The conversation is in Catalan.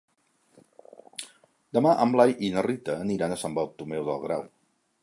Demà en Blai i na Rita aniran a Sant Bartomeu del Grau.